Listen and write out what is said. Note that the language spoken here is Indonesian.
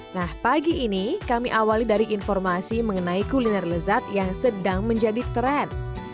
nah pagi ini kami awali dari informasi mengenai kuliner lezat yang sedang menjadi tren